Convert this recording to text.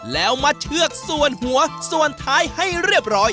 แล้วมาเชือกส่วนหัวส่วนท้ายให้เรียบร้อย